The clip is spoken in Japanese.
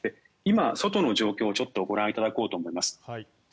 今、外の状況をちょっとご覧いただこうと思います。